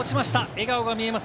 笑顔が見えます